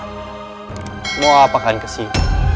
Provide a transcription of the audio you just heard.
uttusan nanda prabukyaan santang dari kerajaan paja jaran